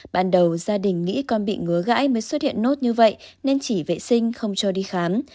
ban đầu gia đình nghĩ con bị ngứa gãi mới xuất hiện nốt như vậy nên chỉ vệ sinh không cho đi khám